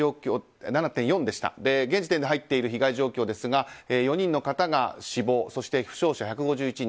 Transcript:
現時点で入っている被害状況ですが、４人の方が死亡そして、負傷者１５１人。